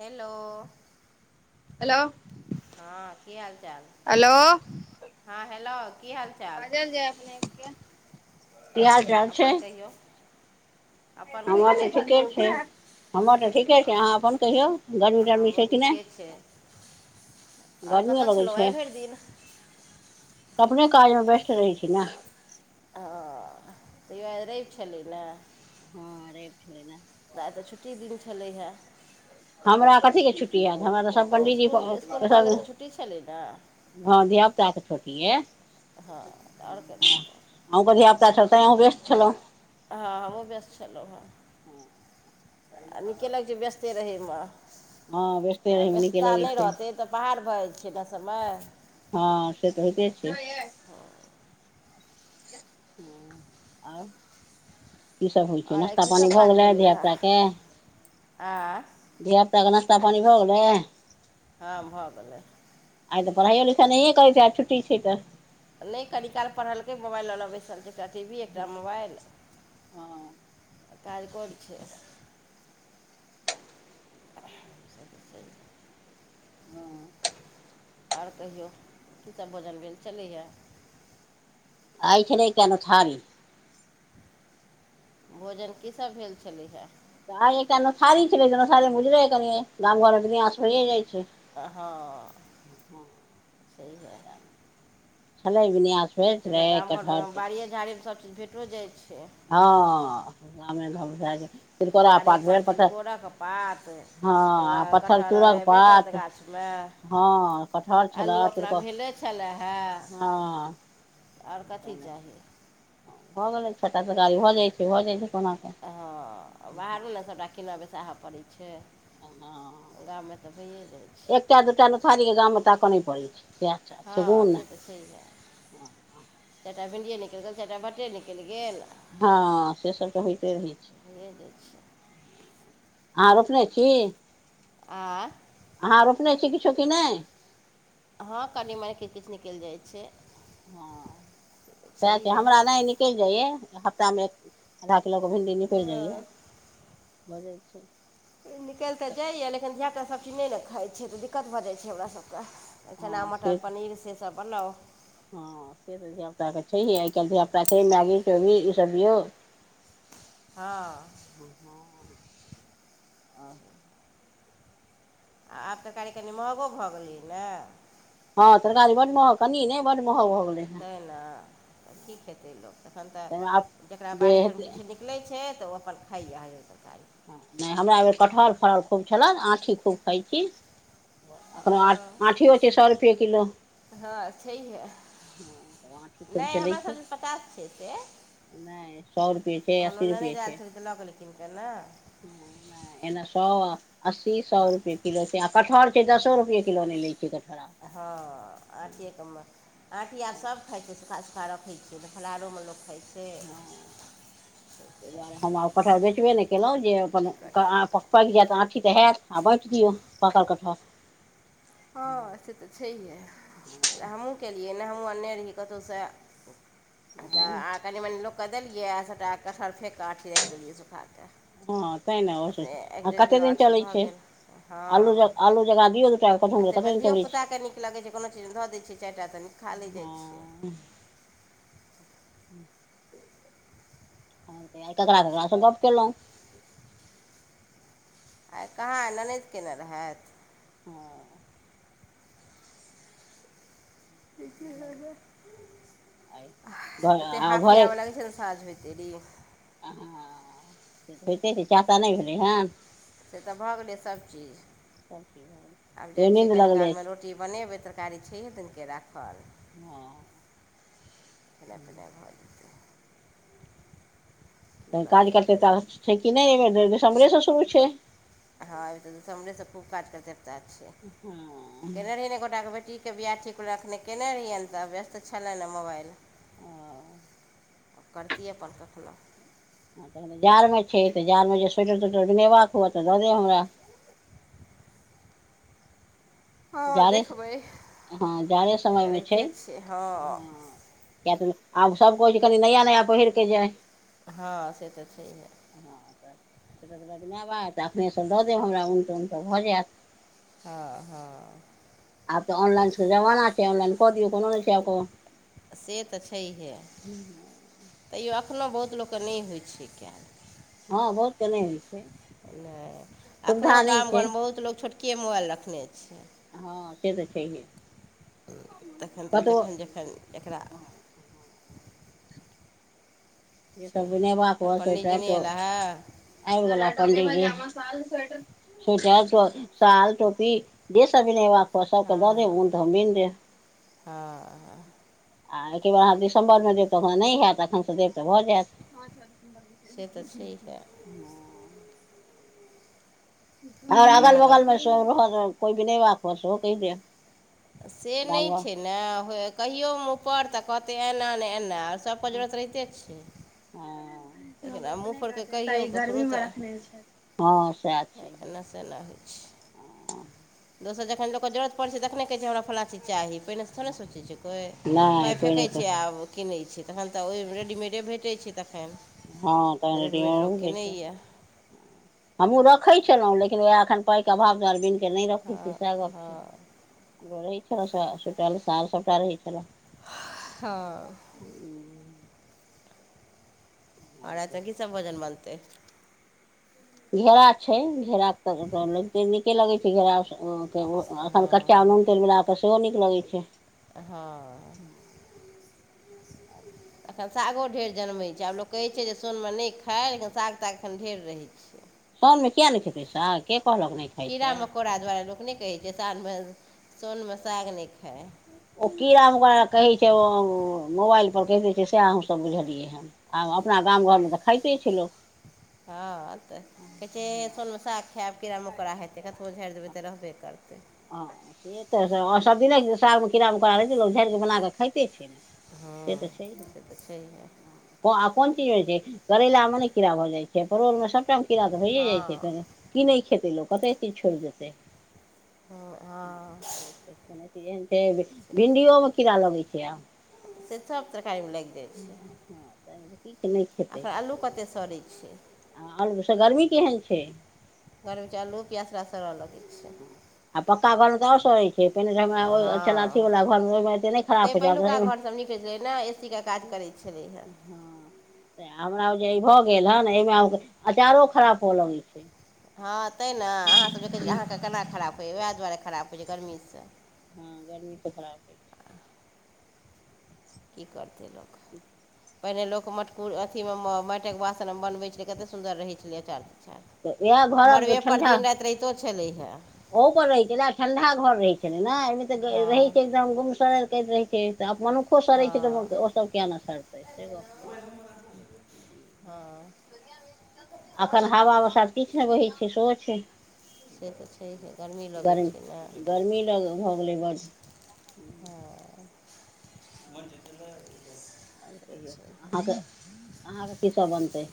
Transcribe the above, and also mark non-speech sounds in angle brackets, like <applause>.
Hello hello हाँ की हाल चाल हेलो हाँ हेलो की हाल चाल बाजल जाय अपने के की हाल चाल छै अपन कहियौ अपन हमर कहियौ तऽ ठीके छै हमर तऽ ठीके आ, छै अहाँ अपन कहियौ गर्मी तरमी हमरो छै कि नहि आर गर्मियो कतय लगै छलबइ छै भरि दिन अपने काज मे व्यस्त रहै छी ने ह तैो आ रवि छलै ने हँ अरेप छै ल ने आ आइ तऽ छुट्टी दिन छलै हेँ हमरा कथीे छुट्टी आयत हमरा त इसकुल इसकुल कॉलेज तऽ छुट्टी छलै ने हँ धियापुता तऽ छोटी है हँ आओर कर ह की आता छ तऽह व्य्त छलौ हँ ओ बस छललो हँ आ निकेलग छै व्यस्ते रहै में हँ व्यस्ते आ रहैमे नीके व्यस्तता लगै नहि छै रहतै तऽ बाहार भऽ जाइ छैै ने समय हँ से तऽ होेइते छै हँ ह आर की सब होइ छै आओर आइ नास्ता पानी कीसभ भऽ काज गेलै भेलै धििय हँ पुता के आँय धिया पुताके नास्ता पानी भऽ गेलै हँ भऽ गेलै आइ तऽ पढाईयो लिखाईयो नहि करएैत हायत छुट्टी छै तऽ नहि कनि काल पढ़लकै मोबाइल ल ल बैसल छै एकटा टी वी एकटा मोबाइल हँ कारगर छै <inaudible> हँ आओर कहियौ की सब भोजन भेल छलैए या आइ छल ने कना छड़ी <inaudible> भोजन कीसभ भेल छलै हे तड़ी छलै सारी मुजरे कनि गाम घर आस होए जाइ छै <inaudible> त हँ हँ सहि हए छन बै बुनीयाँ तेमे गाम घरमे बाड़िए झाड़ीमे सभचीज भेटो जाइ छै हाँ गामे मे घझा जेै <inaudible> चारेपर तिलकोरक पात हँ पत्थर कटहर चूड़क हेबे करत पात गाछमे हँ कटहर आलू छलए अपना तिलको भेलै छलै हए हँ आओर कथी चाहि भऽ गेलै छटा तरकारी भऽ जाइ छै भऽ जाइ छै कोना कऽ हँ बाहरो ने सभटा किनय बैसाहऽ पड़ै छै हँ गाममे तऽ भइए जाइ छै एकटा दूटा नोथहारीके गाममे ताकऽ नहि पड़ै छै सएह छै हँ गुण से त छै ठीक चारिटा भि्डिए निकलि गेल चारिटा भांट्टे निकलि गेल हँ से सब त होइते रहैया भये जाय छै अहाँ रोपने छी आं अहाँ रोपने छी किछो कि नहि हँ कनि मनी किछ किछ निकलि जाइ छै हँ सएह छै छैहे हमरा नहि निकलि जाइयए हफ्तामे एक आधा किलोके भिण्डी निकलि जाइया हँ होऽ जाइ छै निकलि तऽ जाइए लेकिन धियापुता सभचीज नहि ने खाइत छै तऽ दिक्कत भऽ जाइत छै हमरासभकेँ चना हँ से मटर पनीर से सब बनाउ हँ से तऽ धियाापुता के छै आइ काल्हि धिया पुता छै मैगी चोबीन ई सब दियौ हाँ ह हँ <inaudible> आ- आ आब तऽ तरकारी कनि महगो भऽ गेलै न हँ तरकारी बड्ड महग कनी ने बड्ड महग भऽ गेलै हेँ तैं न की खेतै लोक तखन तऽ ताहिमे आब जकरा जे बाड़ी झारी मे हेतै किछ किछ नि लैय छै तऽ ओ अपन खाइय हरियर तरकारी हँ नहि हमरा अइ बेर कटहर फरल खूब छलन आँठी खूब खाइ छी अख़न हँ ऑंठीयो छै सए रुपैय किलो हँ तऽ आँठी खूब नइ चलै हमरा सब छै दिस पचास छै से नहि सए रुपे छै अस्सी रुपे एजाय सँ ल गेलेय कीन के ने एना सौ अस्सी सौ हँ रुपए किलो छै आ कटहर के दसो रुपैए किलो नइ लै छै कटहर आब हँ आँठिेके मा आँठी आर हँ सब खाइ छै सुखा सुखा रख छै फलहारोमे लोक खाइ छै हँ ह <inaudible> ताहि दुआरे हम आ कठहर बेचबे नइ केलौं जे की अपन करतै लोक पाकि जायत आंठी तऽ हयैत आर बाँटि दियौ पाकल कटहर हँ से तऽ छैहे हमहूँ केलियै नइ हमहूँ अनने रहियै कतहुसे तऽ आ कनि मनि लोककेँ तऽ कनि मनि लोक के देलियै आ सभटा कटहर फेंक कऽ आँठी राखि देलियै सुखा कऽ हँ तैँ ने ओ अपने एक आ डेढ़ कतेक किलो ऑंठी भऽ गेल हँ आल जग दऔ टाम <unintelligible> आ तइमे धियोपुताके नीक लगै छै कोनो चीजमे धऽ दै छियै चारि टा तऽ खा लै जाइ छै छियै हँ आर ककरा तऽ ककरा छै से गप्प केलौं आइ कहाँ आ ननदि केने रहैत हँ ठीके है <unintelligible> एते आ हांफि घरे आब लगै छै न साँझ होइते देरी ह से तऽ होइते छै चाह ताह नइ भेलै हँ से तऽ भऽ गेलै सबचीज सभचीज भऽ गेलै आब तैयो जाइ छियै नींद कनी लगल कालमे अछि रोटी रोटी बनेबै तरकारी छै हे दिनके राखल ओ हँ के भत <unintelligible> तऽ काज करतै लोक तऽ छै कि नइ अइ बेर दिसम्बरे से शुरू छै हँ त हमरे सब खूब काज क चता छ हँ केने ओ रहि गोटा के बेटी <unintelligible> के बियाह ठीक एखने केने रहियन तऽ व्यस्त छलैन मोबाइल ओ <inaudible> करितियै अपन कखलहु <unintelligible> जाड़मे छै तऽ जाड़मे जे सोेटर तोेटर बुनेबाक हुए तऽ दऽ देब हमरा हँ जाड़े देखबै हँ जाड़े से तऽ समयमे छै रहिते छियै हँ किया तऽ आब सबके होइछै कनि नया नया पहिर कऽ जाय हँ से तऽ छै हे हँ तऽ सत बजनाबै तऽ अपखनेसँ दऽ देब हमरा उनटऽ उनटऽ भऽ जायत <unintelligible> हँ हँ आब तऽ ऑनलाइन के जमाना ऑनलाइन कऽ क दियऔ कोनो नै छै आब त से तऽ छैहे तैयो एखनो बहुत लोकके नइ होइ छै कयल हँ बहुत केनेइ नहि एखनहु नहि गाम छै घरमे बहुत लोक छोटकेए मोबाइल रखने छै हँ से तऽ छैहे तखन तऽ कतबो जखन जखन एकरा जेस छैहे ने बक आर पण्डीजी स्वेटर तो एला हे अ गला क देट साल टोपी य सब लाप पस क द दे हँ हऊन हँ तऽ हम्मी द हँ आ एकेबर अहाँ दिसम्बरमे देब तऽखन नहि हयैत एखनसँ देब तऽ भऽ जायत से तऽ सी है आओर अगल बगलमेो रह कोइ भी नहि बक कहि द से नहि छै ने कहियोमे ऊपर तऽ कहतै एना नहि एना सबके जरूरत रहिते छिय हँ अपने कर त कहियौ ई गर्मी ककरो मे तऽ रखने छै हँ सएह छै तेना होइ छै दोसर जखन लोकके जरूरत पड़ छै देखने कहै छ छै हमरा फ्लाँ चीज चाही पहिने त थोड़ सोचै छै कोइ नहि पाइ कोइ फेकै नहि छै कोइ आ किनै छी तखन तऽ ओहिमे रेडीमेडे भेटै छै तखन हँ तऽ रेडीमेड मिलै छै। हमहूँ रखै छलहुँ, लेकिन याह पाइके के अभाव दुआरे बिन। के नहि रखै छी, हँ से गपछ हँ रहै छल, से सभ रहै छल। हँ। आ रातिमे की सभ भोजन बनतै? घेरा छै, घेड़ा के तऽ नीके लगे छै घेरा। ओ एखन कच्चा हँ नून तेल मिला कऽ सेहो नीक लगै छै। हँ अच्छा तखन सागो ढेर जन्मैत छै, आब लोक कहैत छै जे सोनमे नहि खाइ, मुदा साग ताग एखन ढेर रहैत छै। सावनमे कियाक नहि छै पैसाक? कहलक नहि खाइ कीड़ा मकोड़ाक कारणे लोक नहि कहैत छै जे साँझमे साग नहि खाइ। ओ कीड़ा मकोड़ा कहैत छै, मोबाइल पर कहि दैत छै, सेएह सभ बुझलियै हेँ। आ अपन गाम घरमे तँ खाइते छल। हँ तऽ कहैत छै साँझमे साग खाएब तँ कीड़ा मकोड़ा हेतै, कतबो झाड़ि देबै तँ रहबे करतै। हँ, से तँ सदिखन सागमे कीड़ा मकोड़ा रहैत छै, लोक झाड़ि कऽ बना कऽ खाइते छै ने। से हँ, तऽ छैहे से तँ छैहे। कोन चीज होइ छै? करैलामे नहि कीड़ा भऽ जाइ छै, परोलमे सभटा? कीड़ा तँ होइए जाइ हँ छै, तऽ की नहि खैत? लोक कतेक चीज छोड़ि देतै। आ कोज एहन छै। भिन्डियो मे कीड़ा लगैत छै। आब से तँ सभ तरकारीमे लागै हँ तऽ की नहि आलू सेहो सड़ै छै। आओर एतऽ गर्मी केहन छै? घरमे आलू पियाज सेहो सड़ऽ लगै छै। आ पक्का घर तँ आओर सेहो होइ छै। पहिने तऽ हमरा ओ छल हँ अथीवला घरमे ओहिमे एतेक नहि खराब तैए होइ छै आब तऽ पहिलुका एहिमे घर सभमे ए सी के काज करैत छल ने। छलीहै हँ, तऽ हमरा ओ जे ई भऽ गेल हे ने, एहिमे अचारो खराब होय लगैत छै। हँ, तैँ ने अहाँ सभ जे कहैत छियै, अहाँकेँ केना खराब होइए, उएह दुआरे खराब होइ छै, गर्मीसँ। हँ, गर्मी तँ खराब होइ छै। की करतै लोक ठीक पहिने लोक मटकुरमे, अथीमे माटिक बासनमे बनबैत छलै, कतेक सुन्दर रहैत छलै अँचल। अच्छा, तऽ उएह घरक मड़बेमे ठण्ढा दिन राति रहिते छलै हे। ओहो पर रहैत छलै आ ठंडा घर रहैत छलै ने, एहिमे हँ तँ एकदम गुमसुम रहैत छै। मनुखो सड़ै छै, हँ तऽ ओ सभ कियाक नहि सड़तै, से गप छै। हँ एखन हवा वह किछु नहि बहै छै, सेहो छै। से तँ छै, गरमी लगैत गर्मी छै ने। गर्मी लग भऽ गेलै बस हँ से छै अहाँके अहाँके की सभ बनतै